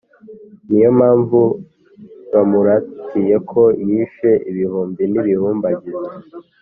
Ni yo mpamvu bamuratiye ko yishe ibihumbi n’ibihumbagiza,